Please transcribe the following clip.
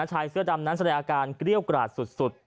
ชายเสื้อดำนั้นแสดงอาการเกรี้ยวกราดสุด